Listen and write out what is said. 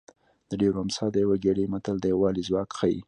د ډېرو امسا د یوه ګېډۍ متل د یووالي ځواک ښيي